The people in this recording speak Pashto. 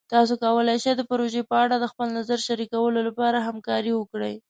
تاسو کولی شئ د پروژې په اړه د خپل نظر شریکولو لپاره همکاري وکړئ.